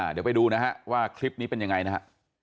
เดี๋ยวไปดูนะฮะว่าคลิปนี้เป็นยังไงนะฮะ